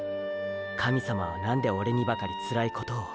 “神様は何でオレにばかりつらいことを”